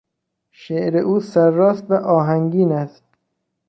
شعر او سر راست و آهنگین است.